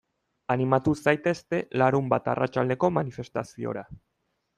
Animatu zaitezte larunbat arratsaldeko manifestaziora.